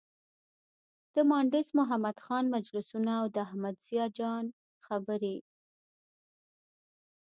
د مانډس محمد خان مجلسونه او د احمد ضیا جان خبرې.